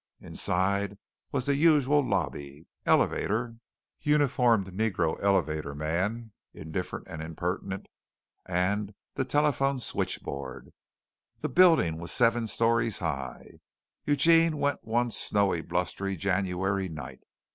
Inside was the usual lobby, elevator, uniformed negro elevator man, indifferent and impertinent, and the telephone switchboard. The building was seven storeys high. Eugene went one snowy, blustery January night.